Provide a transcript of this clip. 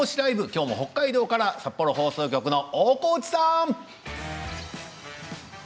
きょうも北海道から札幌放送局の大河内さん。